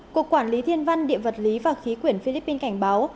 cuộc quản lý thiên văn điện vật lý và khí quyển philippines cảnh báo